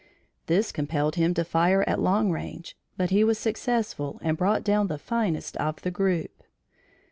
This compelled him to fire at long range, but he was successful and brought down the finest of the group.